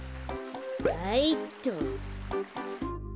はいっと。